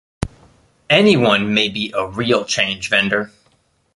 Anyone may be a "Real Change" vendor.